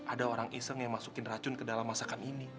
ada orang iseng yang masukin racun ke dalam masakan ini